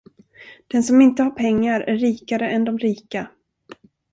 Den som inte har pengar är rikare än de rika.